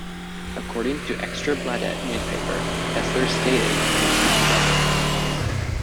According to Ekstra Bladet newspaper, Kessler stated he was seeing double.